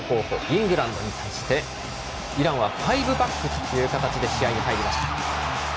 イングランドに対してイランはファイブバックという形で試合に入りました。